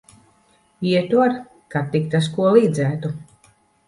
Ietu ar, kad tik tas ko līdzētu.